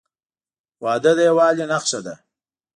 • واده د یووالي نښه ده.